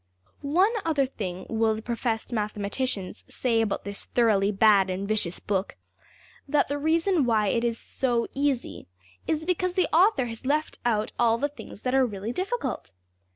One other thing will the professed mathematicians say about this thoroughly bad and vicious book: that the reason why it is \emph{so easy} is because the author has left out all the things that are really difficult.